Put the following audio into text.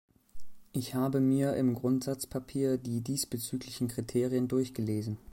Ich habe mir im Grundsatzpapier die diesbezüglichen Kriterien durchgelesen.